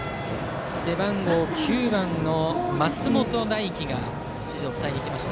背番号９番の松本大輝が指示を伝えに行きました。